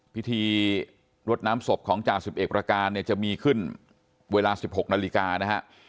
พิธีรดน้ำศพของจ่าสิบเอกประการเนี่ยจะมีขึ้นเวลา๑๖นาฬิกานะฮะ